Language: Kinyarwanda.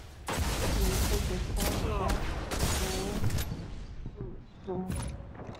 Iri tegeko ryateguwe risuzumwa